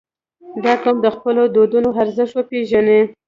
• دا قوم د خپلو دودونو ارزښت پېژني.